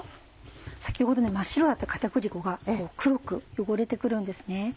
先ほど真っ白だった片栗粉が黒く汚れて来るんですね。